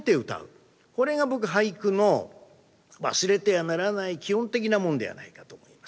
これが僕俳句の忘れてはならない基本的なもんではないかと思います。